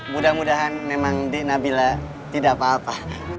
mudah mudahan memang di nabila tidak apa apa